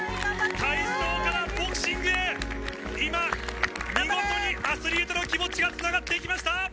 体操からボクシングへ、今、見事にアスリートの気持ちがつながっていきました。